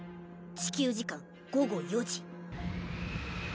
地球時間午後４時。